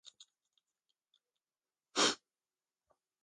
They may subsequently grant a third extension for a total of eighty years.